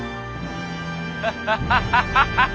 ハハハハハハハ。